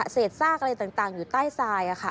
ซากอะไรต่างอยู่ใต้ทราย